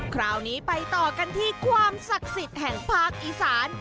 คราวนี้ไปต่อกันที่ความศักดิ์สิทธิ์แห่งภาคอีสาน